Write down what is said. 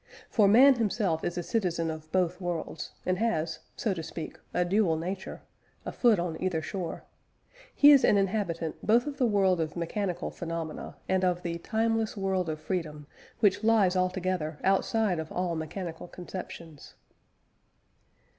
For man himself is a citizen of both worlds, and has (so to speak) a dual nature, a foot on either shore. He is an inhabitant both of the world of mechanical phenomena, and of the "timeless world of freedom," which lies altogether outside of all mechanical conceptions.